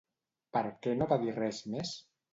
Per què no va dir res més?